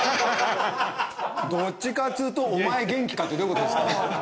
どっちかっつうとお前元気か？ってどういう事ですか？